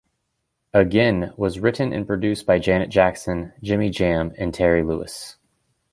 "Again" was written and produced by Janet Jackson, Jimmy Jam and Terry Lewis.